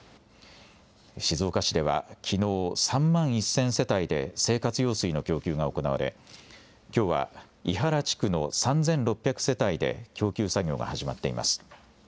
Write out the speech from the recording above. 静岡市ではきのう、３万１０００世帯で生活用水の供給が行われ、きょうは庵原地区の３６００世帯で供給作業が始まっています。